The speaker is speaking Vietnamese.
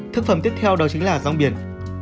thực phẩm tiếp theo đó chính là rong biển